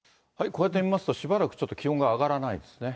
こうやって見ますと、しばらくちょっと気温が上がらないですね。